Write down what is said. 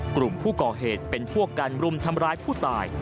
กลุ่มผู้ก่อเหตุเป็นพวกการรุมทำร้ายผู้ตาย